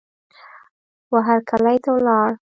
وهرکلې ته ولاړ